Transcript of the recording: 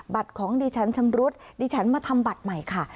ของดิฉันชำรุดดิฉันมาทำบัตรใหม่ค่ะ